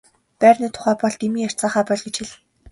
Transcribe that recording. Байрны тухайд бол дэмий ярьцгаахаа боль гэж хэл.